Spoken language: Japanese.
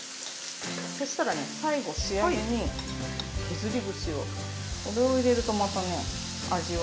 そしたらね最後仕上げに削り節をこれを入れるとまたね味わいがよくなるんです。